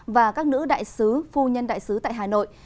và các nữ đại sứ phu nhân đại sứ tại hà nội